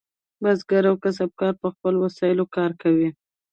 بزګر او کسبګر په خپلو وسایلو کار کوي.